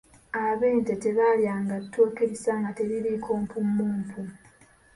Abente tebaalyanga ttooke lissa nga teririiko mpummumpu.